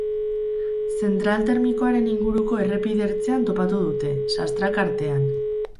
Zentral termikoaren inguruko errepide ertzean topatu dute, sastraka artean.